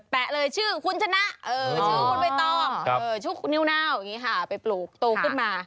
แตะเลยชื่อคุณชนะชื่อคุณเวตอชื่อคุณนิวนาวหาไปปลูกโตขึ้นมา